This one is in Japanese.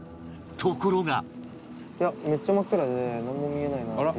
ところが